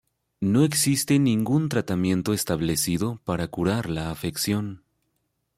No existe ningún tratamiento establecido para curar la afección.